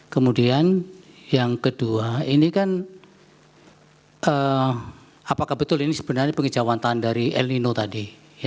kemudian yang kedua ini kan apakah betul ini sebenarnya pengejauhantan dari el nino tadi